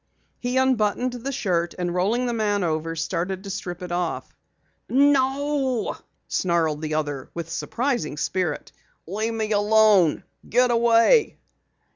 He unbuttoned the shirt, and rolling the man over, started to strip it off. "No!" snarled the other with surprising spirit. "Leave me alone! Get away!"